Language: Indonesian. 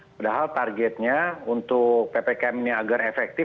padahal targetnya untuk ppkm ini agar efektif